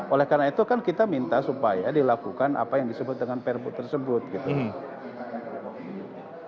oleh karena itu kan kita minta supaya dilakukan apa yang disebut dengan perpu tersebut gitu